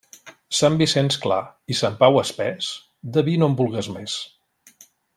Sant Vicenç clar i Sant Pau espés, de vi no en vulgues més.